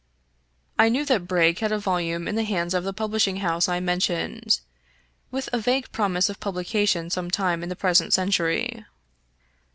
I knew that Brake had a volume in the hands of the pub lishing house I mentioned, with a vague promise of publica tion some time in the present century.